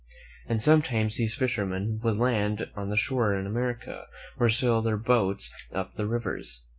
And sometimes these fishermen would land on the shore in ._.^r America, or sail their boats up the rivers.